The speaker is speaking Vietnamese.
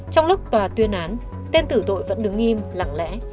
trong lúc tòa tuyên án tên tử tội vẫn đứng im lặng lẽ